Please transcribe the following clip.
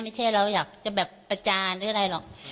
ไม่ใช่เราอยากจะแบบประจานหรืออะไรหรอก